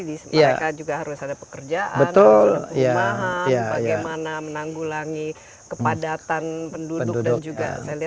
mereka juga harus ada pekerjaan harus ada pengumahan bagaimana menanggulangi kepadatan penduduk dan juga saya lihat di sini